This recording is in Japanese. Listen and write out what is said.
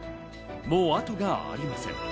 後がありません。